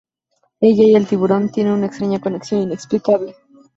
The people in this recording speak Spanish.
Ella y el tiburón tienen una extraña conexión inexplicable.